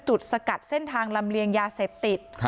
จุดสกัดเส้นทางรำเรียงยาเศษติด